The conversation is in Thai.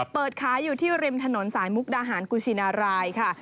เปิดขายอยู่ที่ริมถนนสายมุกดาหารกุชินารายค่ะ